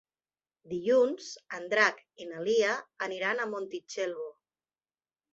Dilluns en Drac i na Lia aniran a Montitxelvo.